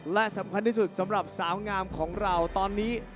และสำคัญที่สุดสำหรับสาวงามของเราตอนนี้